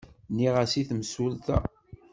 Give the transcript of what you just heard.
Nniɣ-as i temsulta.